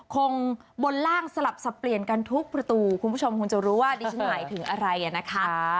คงบนล่างสลับสับเปลี่ยนกันทุกประตูคุณผู้ชมคงจะรู้ว่าดิฉันหมายถึงอะไรนะคะ